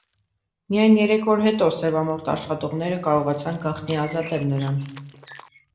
Միայն երեք օր հետո սևամորթ աշխատողները կարողացան գաղտնի ազատել նրան։